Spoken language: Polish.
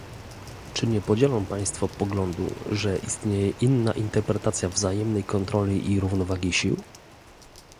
Czy nie podzielą Państwo poglądu, że istnieje inna interpretacja wzajemnej kontroli i równowagi sił?